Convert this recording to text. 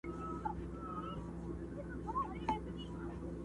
د یارۍ مثال د تېغ دی خلاصېدل ورڅخه ګران دي!.